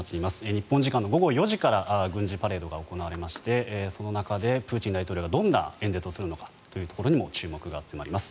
日本時間の午後４時から軍事パレードが行われましてその中でプーチン大統領がどんな演説をするのかというところにも注目が集まります。